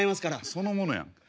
そのものやん。